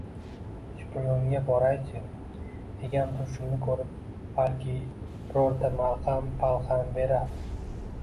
– Shiyponga boray-chi, egam turishimni ko‘rib, balki, birorta malham-palham berar